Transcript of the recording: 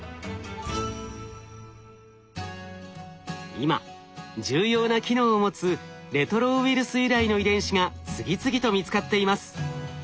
今重要な機能を持つレトロウイルス由来の遺伝子が次々と見つかっています。